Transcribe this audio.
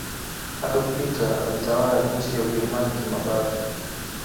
Adolf Hilter aliitawala nchi ya ujerumani kimabavu